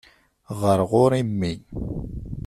Ɣer ɣur-i mmi.